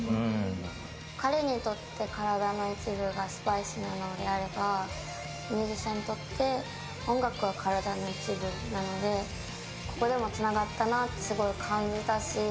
彼にとって体の一部がスパイスなのであればミュージシャンにとって音楽は体の一部なのでそこでもつながったなって感じたし